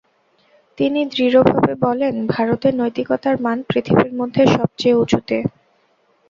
তিনি দৃঢ়ভাবে বলেন, ভারতে নৈতিকতার মান পৃথিবীর মধ্যে সবচেয়ে উঁচুতে।